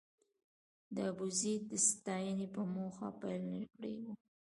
د ابوزید د ستاینې په موخه پيل نه کړی و.